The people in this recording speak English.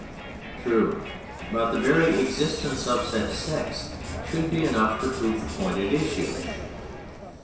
True; but the very existence of such sects should be enough to prove the point at issue.